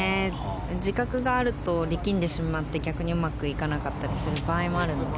自覚があると力んでしまって逆にうまくいかなかったりする場合もあるので。